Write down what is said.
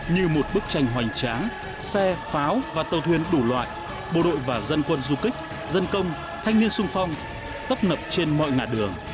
như một bức tranh hoành tráng xe pháo và tàu thuyền đủ loại bộ đội và dân quân du kích dân công thanh niên sung phong tấp nập trên mọi ngạ đường